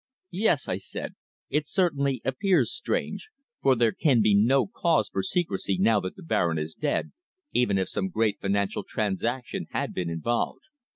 "Yes," I said. "It certainly appears strange, for there can be no cause for secrecy now that the Baron is dead, even if some great financial transaction had been involved."